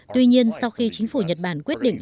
tuy nhiên sau khi chính phủ nhật bản quyết định